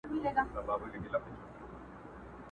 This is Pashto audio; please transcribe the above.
ويل زما د سر امان دي وي څښتنه؛